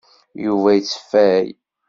Yuba yettfay.